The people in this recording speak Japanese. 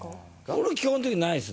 俺は基本的にないです。